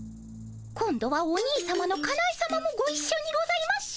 今度はお兄さまのかなえさまもごいっしょにございます。